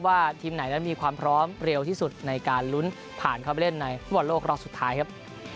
ทีมไหนนั้นมีความพร้อมเร็วที่สุดในการลุ้นผ่านเข้าไปเล่นในฟุตบอลโลกรอบสุดท้ายครับ